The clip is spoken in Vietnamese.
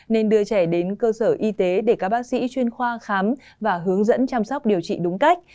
nên đưa trẻ đến cơ sở y tế để các bác sĩ chuyên khoa khám và hướng dẫn chăm sóc điều trị đúng cách